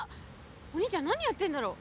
お兄ちゃん何やってるんだろう？